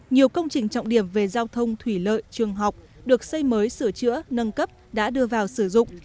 nhiều công trình trọng điểm về giao thông thủy lợi trường học được xây mới sửa chữa nâng cấp đã đưa vào sử dụng